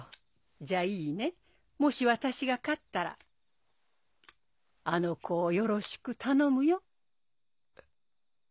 じゃいいねもし私が勝ったらあの子をよろしく頼むよ。